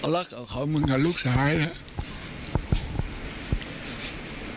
รักของเขามึงกับลูกชายนะ